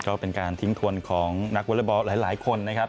ก็เป็นการทิ้งทวนของนักวอเลอร์บอลหลายคนนะครับ